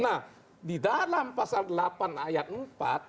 nah di dalam pasal delapan ayat empat